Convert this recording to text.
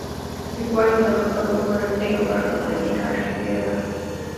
لیکوال د خپل عمر ډېره برخه په دې کار کې تېره کړې.